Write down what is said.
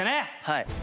はい。